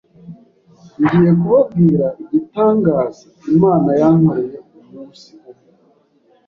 Ngiye kubabwira igitangaza Imana yankoreye, Umunsi umwe,